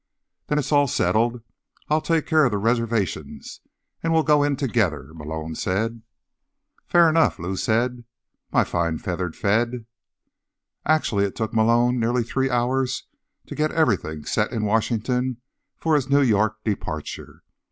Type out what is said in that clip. "Then it's all settled. I'll take care of the reservations, and we'll go in together," Malone said. "Fair enough," Lou said, "my fine feathered Fed." Actually, it took Malone nearly three hours to get everything set in Washington for his New York departure.